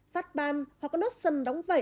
phát ban hoặc có nốt sân đóng vẩy